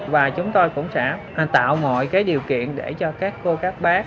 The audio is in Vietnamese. và chúng tôi cũng sẽ tạo mọi điều kiện để cho các cô các bác